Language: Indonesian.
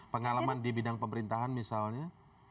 pengalaman di bidang pemerintahan misalnya